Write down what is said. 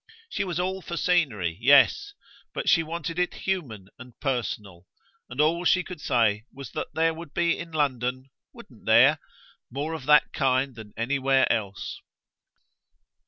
She was all for scenery yes; but she wanted it human and personal, and all she could say was that there would be in London wouldn't there? more of that kind than anywhere else.